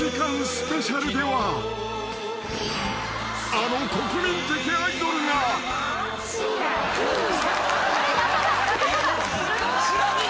［あの国民的アイドルが］しらき。